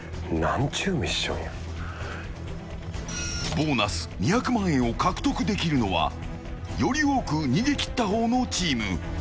ボーナス２００万円を獲得できるのはより多く逃げ切ったほうのチーム。